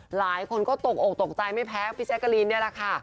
หลายคนก็ตกอกตกใจไม่แพ้พี่แจ๊กกะลีนนี่แหละค่ะ